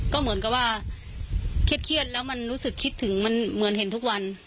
ก็เหมือนกับว่าเครียดแล้วมันรู้สึกคิดถึงมันเหมือนเห็นทุกวัน